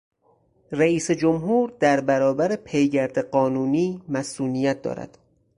رئیس جمهور در برابر پیگرد قانونی مصونیت دارد.